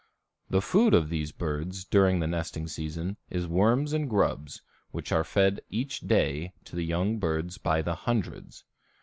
The food of these birds during the nesting season is worms and grubs, which are fed each day to the young birds by the hundreds.